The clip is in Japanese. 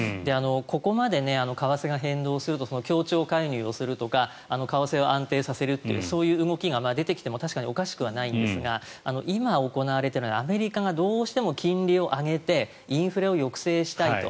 ここまで為替が変動すると協調介入をするとか為替を安定させるという動きが出てきても確かにおかしくはないんですが今行われているのはアメリカがどうしても金利を上げてインフレを抑制したいと。